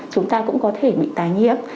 chúng ta cũng có thể bị tái nhiễm